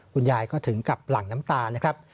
คุณยายก็ถึงกับหลั่งน้ำตานะครับ